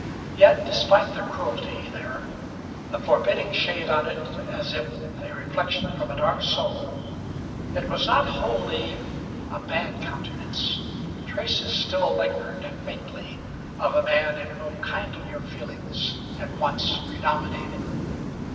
Yet despite the cruelty there, the forbidding shade on it, as if a reflection from a dark soul, it was not wholly a bad countenance. Traces still lingered, faintly, of a man in whom kindlier feelings had once predominated.